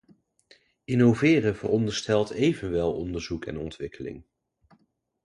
Innoveren veronderstelt evenwel onderzoek en ontwikkeling.